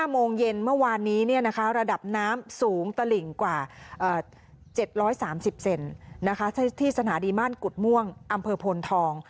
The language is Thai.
๕โมงเย็นเมื่อวานนี้เนี่ยนะคะระดับน้ำสูงตระหลิ่งกว่าอ่า๗๓๐เซ็นต์นะคะที่สถานีบ้านกุฎม่วงอำเภอพนธอง